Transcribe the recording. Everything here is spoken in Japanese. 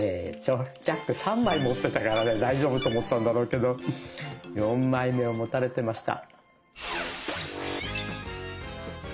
ジャック３枚持ってたからね大丈夫と思ったんだろうけど４枚目を持たれてました。